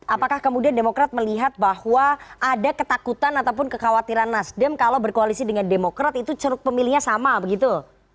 apakah kemudian demokrat melihat bahwa ada ketakutan ataupun kekhawatiran nasdem kalau berkoalisi dengan demokrat itu ceruk pemilihnya sama begitu